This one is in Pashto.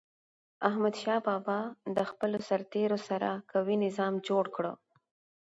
احمدشاه بابا د خپلو سرتېرو سره قوي نظام جوړ کړ.